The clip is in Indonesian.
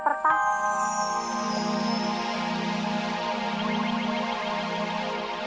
daripada yang mas lihat dari video